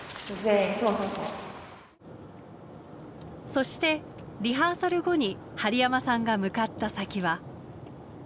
そしてリハーサル後に針山さんが向かった先は。